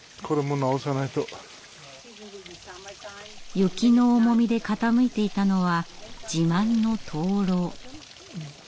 雪の重みで傾いていたのは自慢の灯籠。